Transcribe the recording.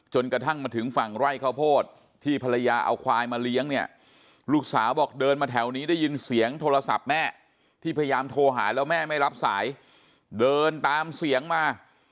กระทั่งมาถึงฝั่งไร่ข้าวโพดที่ภรรยาเอาควายมาเลี้ยงเนี่ยลูกสาวบอกเดินมาแถวนี้ได้ยินเสียงโทรศัพท์แม่ที่พยายามโทรหาแล้วแม่ไม่รับสายเดินตามเสียงมา